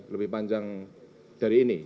lebih panjang dari ini